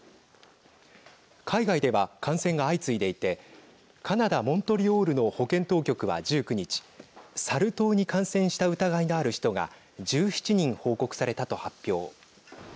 海外では、感染が相次いでいてカナダ、モントリオールの保健当局は１９日サル痘に感染した疑いのある人が１７人報告されたと発表。